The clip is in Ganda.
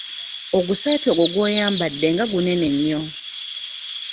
Ogusaati ogwo gw'oyambadde nga gunene nnyo?